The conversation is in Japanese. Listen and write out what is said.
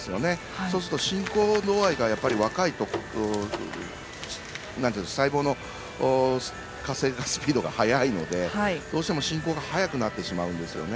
そうすると進行度合いが若いと細胞の活性化スピードが速いのでどうしても進行が早くなってしまうんですね。